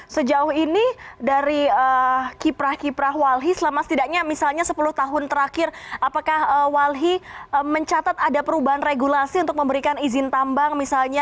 sejauh ini dari kiprah kiprah walhi selama setidaknya misalnya sepuluh tahun terakhir apakah walhi mencatat ada perubahan regulasi untuk memberikan izin tambang misalnya